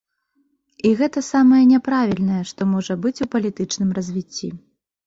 І гэта самае няправільнае, што можа быць у палітычным развіцці.